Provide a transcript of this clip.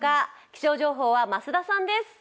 気象情報は増田さんです。